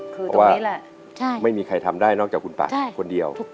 เพราะว่าไม่มีใครทำได้นอกจากคุณปัดคนเดียว